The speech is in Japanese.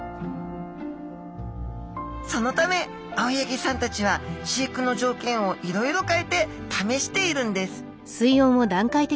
そのため青柳さんたちは飼育の条件をいろいろ変えてためしているんです